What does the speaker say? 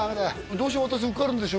どうせ私受かるんでしょ？